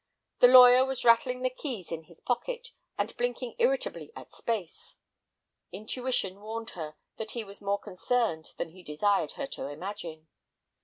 The lawyer was rattling the keys in his pocket, and blinking irritably at space. Intuition warned her that he was more concerned than he desired her to imagine.